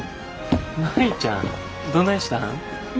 舞ちゃんどないしたん？